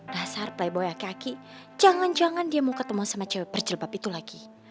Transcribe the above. dasar playboy aki aki jangan jangan dia mau ketemu sama cewek berjelebab itu lagi